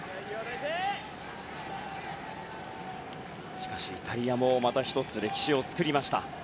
しかしイタリアもまた１つ歴史を作りました。